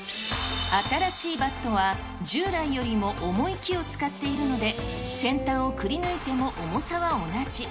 新しいバットは、従来よりも重い木を使っているので、先端をくりぬいても重さは同じ。